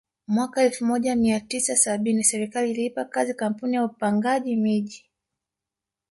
Mwaka elfu moja mia tisa sabini serikali iliipa kazi kampuni ya upangaji miji